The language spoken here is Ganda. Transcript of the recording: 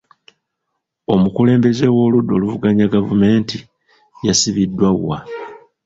Omukulembeze w'oludda oluvuganya gavumenti yasibiddwa wa?